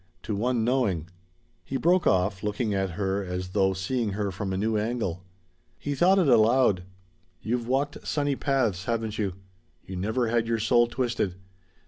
To one knowing " He broke off, looking at her as though seeing her from a new angle. He thought it aloud. "You've walked sunny paths, haven't you? You never had your soul twisted.